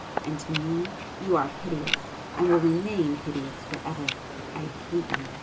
and to me you are hideous, and will remain hideous for ever. I hate you!